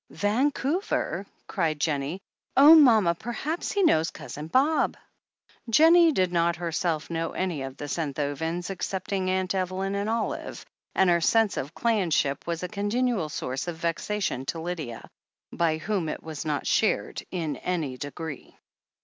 "Vancouver!" cried Jennie. "Oh, mama, perhaps he knows Cousin Bob!" Jennie did not herself know any of the Senthovens excepting Aunt Evelyn and Olive, and her sense of clan ship was a continual source of vexation to Lydia, by whom it was not shared in any degree.